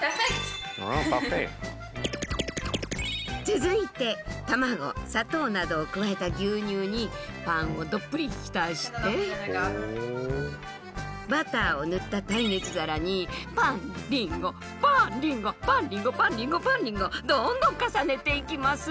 続いて卵砂糖などを加えた牛乳にパンをどっぷり浸してバターを塗った耐熱皿にパンりんごパンりんごパンりんごパンりんごパンりんごどんどん重ねていきます。